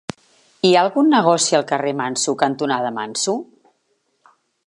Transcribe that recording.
Hi ha algun negoci al carrer Manso cantonada Manso?